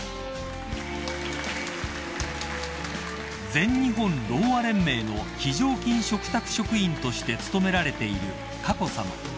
［全日本ろうあ連盟の非常勤嘱託職員として勤められている佳子さま］